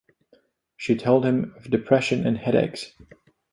She told him of depression and headaches.